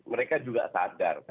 mereka juga sadar